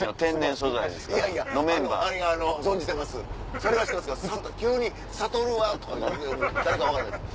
それは知ってますけど急に「智は」とか誰か分からないです。